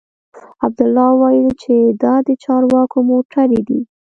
عبدالله وويل چې دا د چارواکو موټرې دي.